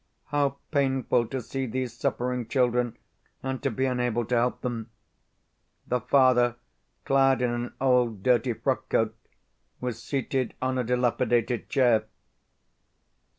How painful to see these suffering children, and to be unable to help them! The father, clad in an old, dirty frockcoat, was seated on a dilapidated chair.